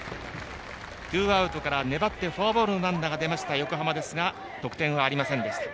ツーアウトから粘ってフォアボールのランナーが出た横浜ですが得点はありませんでした。